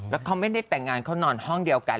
แล้วเขาไม่ได้แต่งงานเขานอนห้องเดียวกัน